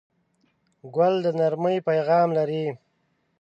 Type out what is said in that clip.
ګل د نرمۍ پیغام لري.